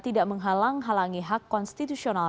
tidak menghalang halangi hak konstitusional